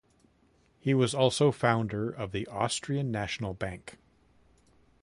He was also founder of the Austrian National Bank.